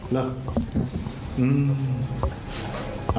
แล้วอืม